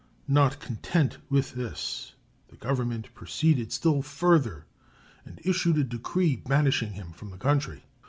Not content with this, the Government proceeded still further and issued a decree banishing him from the country.